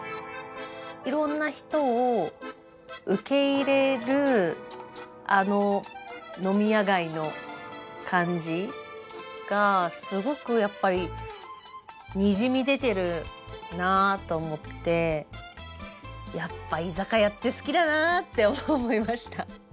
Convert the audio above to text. いろんな人を受け入れるあの飲み屋街の感じがすごくやっぱりにじみ出てるなと思ってやっぱ居酒屋って好きだなって思いました。